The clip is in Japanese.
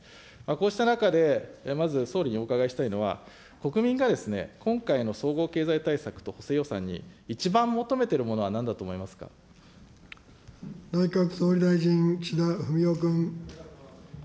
こうした中で、まず総理にお伺いしたいのは、国民が今回の総合経済対策と補正予算に一番求めてるものはなんだ内閣総理大臣、岸田文雄君。